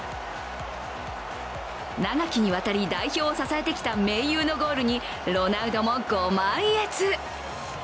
長きにわたり代表を支えてきた盟友のゴールにロナウドもご満悦。